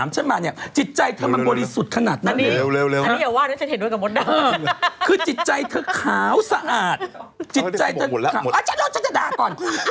เขาได้ทรงหมุนแล้วหมุนฉันจะด่าก่อน